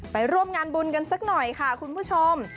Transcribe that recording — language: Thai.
ไปร่วมงานบุญกันสักหน่อยค่ะคุณผู้ชม